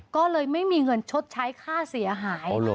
ก็เลยไม่มีเงินชดใช้ค่าเสียหาย